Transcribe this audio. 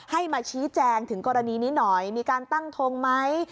ให้มาชี้แจงถึงกรณีนี้หน่อยมีการตั้งทงไหม